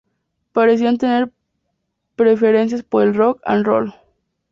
Parecían tener preferencia por el rock and roll.